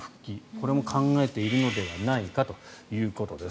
これも考えているのではないかということです。